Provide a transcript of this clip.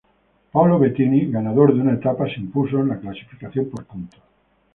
Paolo Bettini, ganador de una etapa, se impuso en la clasificación por puntos.